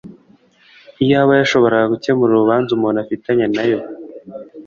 iyaba yashoboraga gukemura urubanza umuntu afitanye na yo